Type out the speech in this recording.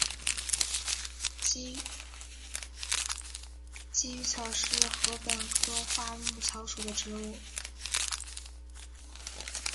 鲫鱼草是禾本科画眉草属的植物。